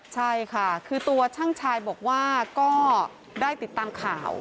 ใช่ค่ะคือตัวช่างชายบอกว่าก็ได้ติดตามข่าว